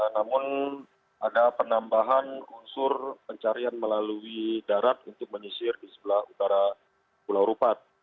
namun ada penambahan unsur pencarian melalui darat untuk menyisir di sebelah utara pulau rupat